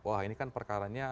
wah ini kan perkaranya